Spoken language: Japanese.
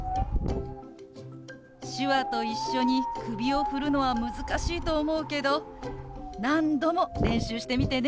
手話と一緒に首を振るのは難しいと思うけど何度も練習してみてね。